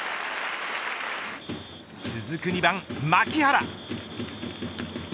続く２番、牧原。